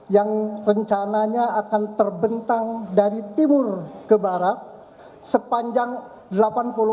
yang rencananya akan terbentang dari timur ke barat sepanjang delapan puluh meter